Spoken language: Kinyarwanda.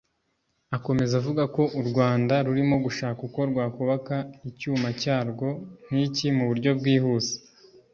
Akomeza avuga ko u Rwanda rurimo gushaka uko rwakubaka icyuma cyarwo nk’iki mu buryo bwihuse